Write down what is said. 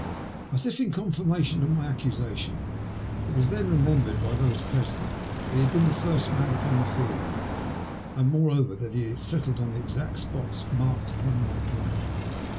As if in confirmation of my accusation, it was then remembered by those present that he had been the first man upon tiie field, and, moreover, that he had settled on the exact spot marked upon my plan.